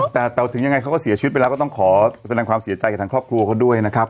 แต่ถึงยังไงเขาก็เสียชีวิตไปแล้วก็ต้องขอแสดงความเสียใจกับทางครอบครัวเขาด้วยนะครับ